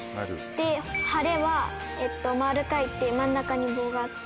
晴れは丸書いて真ん中に棒があって。